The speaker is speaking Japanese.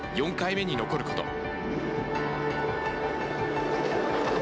４回目に残ること。